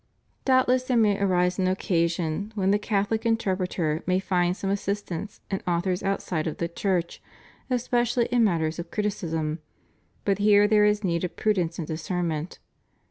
Doubtless there may arise an occasion when the Catho lic interpreter may find some assistance in authors outside of the Church, especially in matters of criticism, but here there is need of prudence and discernment.